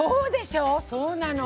そうなの！